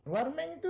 war mat itu